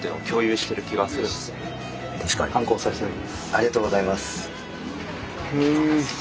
ありがとうございます。